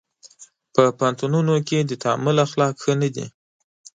په پوهنتونونو کې د تعامل اخلاق ښه نه دي.